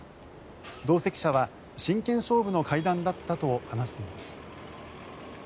同席者は真剣勝負の会談だったと話しています。